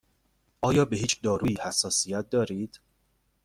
آیا به هیچ دارویی حساسیت دارید؟